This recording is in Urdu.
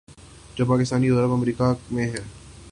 جو پاکستانی یورپ یا امریکا میں ہیں۔